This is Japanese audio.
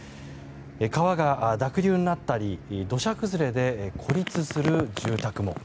川が濁流になったり土砂崩れで孤立する住宅も。